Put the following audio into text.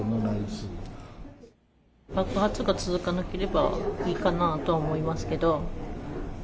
爆発が続かなければいいかなとは思いますけど。